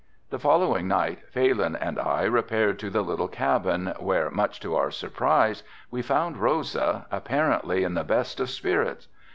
The following night Phalin and I repaired to the little cabin where, much to our surprise, we found Rosa, apparently in the best of spirits.